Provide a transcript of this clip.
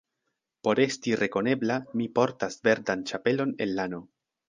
Por esti rekonebla, mi portas verdan ĉapelon el lano.